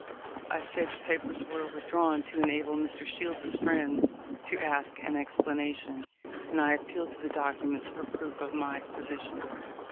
I say the papers were withdrawn to enable Mr. Shields's friends to ask an explanation ; and I ap peal to the documents for proof of my position.